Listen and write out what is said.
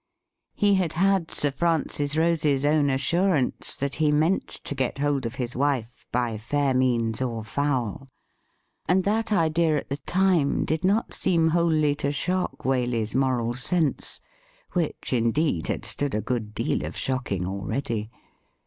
'' He had had Sir Francis Rose's own assurance that he meant to get hold of his wife by fair means or foul, and that idea at the time did not seem wholly to shock Waley's moral sense, which, indeed, had stood a good deal of shocking already.